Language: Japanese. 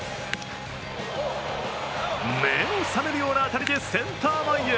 目の覚めるような当たりでセンター前へ。